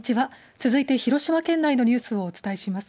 続いて広島県内のニュースをお伝えします。